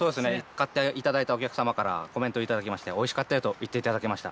買っていただいたお客様方からコメントいただきまして、おいしかったよと言っていただけました。